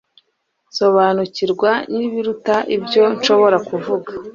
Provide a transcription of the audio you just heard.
nsobanukirwa n'ibiruta ibyo nshobora kuvuga